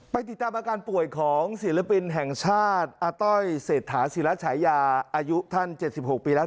ติดตามอาการป่วยของศิลปินแห่งชาติอาต้อยเศรษฐาศิรัชญาอายุท่าน๗๖ปีแล้ว